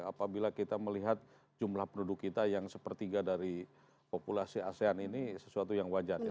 apabila kita melihat jumlah penduduk kita yang sepertiga dari populasi asean ini sesuatu yang wajar ya